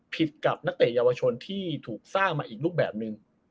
กับนักเตะเยาวชนที่ถูกสร้างมาอีกรูปแบบหนึ่ง